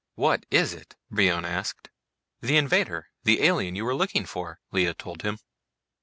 "What is it?" Brion asked. "The invader, the alien you were looking for," Lea told him.